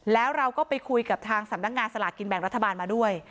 แล้วเราก็ไปคุยกับทางสำนักงานสลากกินแบ่งรัฐบาลมาด้วย